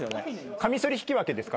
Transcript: カミソリ引き分けですか？